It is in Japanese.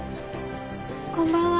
こんばんは。